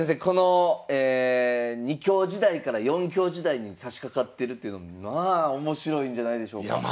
この２強時代から４強時代にさしかかってるっていうのもまあ面白いんじゃないでしょうか。